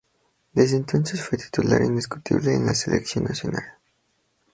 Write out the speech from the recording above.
Desde entonces fue titular indiscutible en la selección nacional.